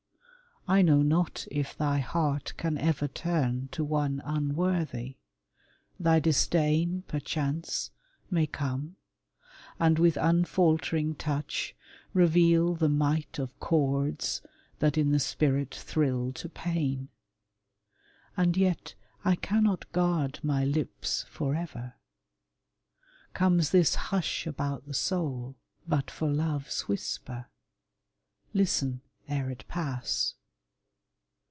I know not if thy heart can ever turn To one unworthy. Thy disdain, perchance, May come, and with unfaltering touch reveal The might of chords that in the spirit thrill To pain. And yet I cannot guard my lips Forever. Comes this hush about the soul 51 TASSO TO LEONORA But for love's whisper: listen ere it pass.